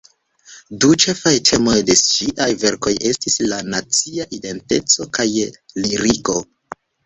Du ĉefaj temoj de ŝiaj verkoj estis la nacia identeco kaj liriko.